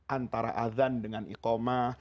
antara adhan dengan ikhomah